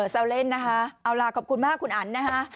แซวเล่นนะคะเอาล่ะขอบคุณมากคุณอันนะคะ